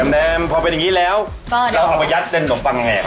แนมพอเป็นอย่างนี้แล้วเราเอาไปยัดเส้นหนมปังแง่